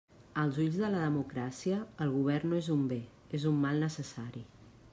Als ulls de la democràcia, el govern no és un bé, és un mal necessari.